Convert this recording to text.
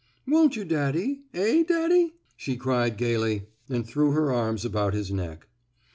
'' Won't you, daddy? Eh, daddy! '' she cried, gaily, and threw her arms about his neck.